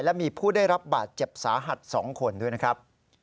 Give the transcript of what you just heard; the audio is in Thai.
และมีผู้ได้รับบาดเจ็บสาหัส๒คนด้วยนะครับ